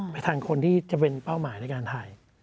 ไม่ทันคนที่จะเป็นเป้าหมายในการถ่าย